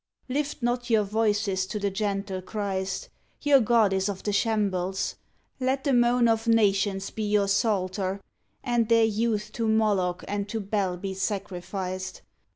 Lift not your voices to the gentle Christ: Your god is of the shambles! Let the moan Of nations be your psalter, and their youth To Moloch and to Bel be sacrificed!